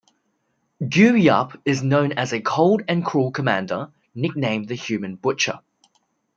Gyu-yup is known as a cold and cruel commander, nicknamed the human butcher.